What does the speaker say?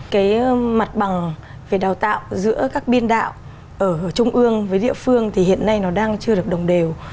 cái mặt bằng về đào tạo giữa các biên đạo ở trung ương với địa phương thì hiện nay nó đang chưa được đồng đều